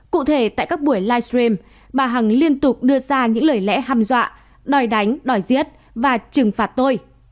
cụ thể tại các buổi livestream bà hằng liên tục đưa ra những lời lẽ ham dọa đòi đánh đòi giết và trừng phạt tôi